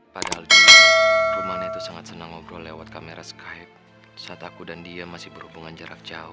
padahal di rumahnya itu sangat senang ngobrol lewat kamera skype saat aku dan dia masih berhubungan jarak jauh